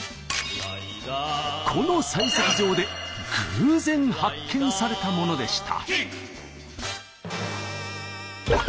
この採石場で偶然発見されたものでした。